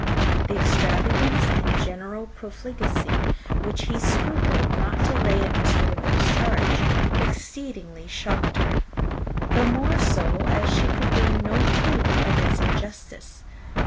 The extravagance and general profligacy which he scrupled not to lay to Mr. Wickham's charge exceedingly shocked her; the more so, as she could bring no proof of its injustice.